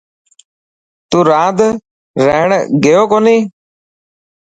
تون راند رهڻ گيو ڪوني؟